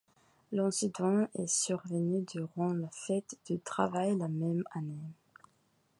L'incident est survenu durant la fête du travail la même année.